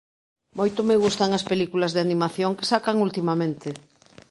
Moito me gustan as películas de animación que sacan ultimamente.